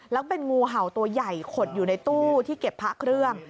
แล้วเป็นงูเห่าตัวใหญ่ขดอยู่ในตู้ที่เก็บพระเครื่อง